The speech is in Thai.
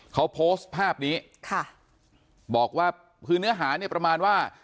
เขาโพสต์ภาพนี้ค่ะบอกว่าคือเนื้อหาเนี่ยประมาณว่า